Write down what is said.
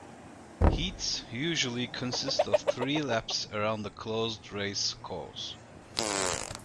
Heats usually consist of three laps around a closed race course.